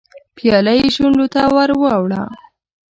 پياله يې شونډو ته ور وړه.